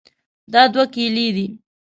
دا دوه کیلې دي.